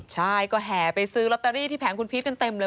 ใช่ก็แห่ไปซื้อลอตเตอรี่ที่แผงคุณพีชกันเต็มเลย